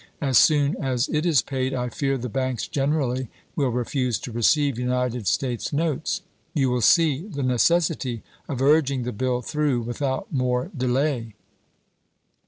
As soon as it is paid I fear the banks generally will refuse to receive United States notes. You will see the necessity of urging the bill through without more delay.